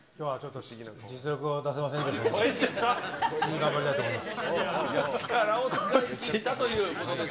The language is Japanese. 次、頑張りたいと思います。